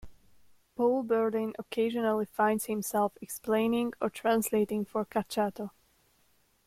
Paul Berlin occasionally finds himself explaining or translating for Cacciato.